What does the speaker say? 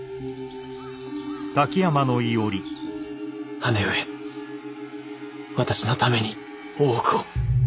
姉上私のために大奥を。